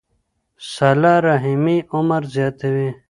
صله رحمي عمر زیاتوي.